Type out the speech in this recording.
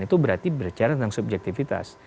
itu berarti bercerita tentang subjektifitas